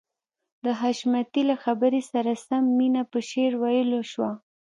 د حشمتي له خبرې سره سم مينه په شعر ويلو شوه.